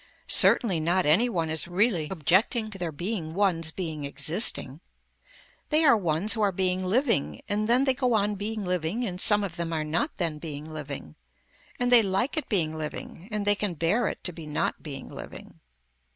Certainly not any one is really objecting to their being ones being existing. They are ones who are being living and then they go on being living and some of them are not then being living, and they like it being living and they can bear it to be not being living.